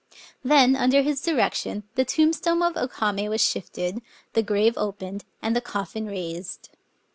Then, under his direction, the tomb stone of O Kame was shifted, the grave opened, and the coffin raised.